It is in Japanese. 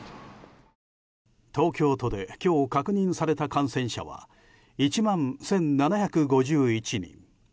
東京都で今日確認された感染者は１万１７５１人。